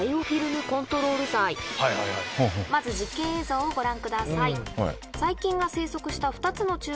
まず実験映像をご覧ください。